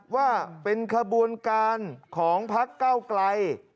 ว่าเป็นขบวนการของพักเก้าไกล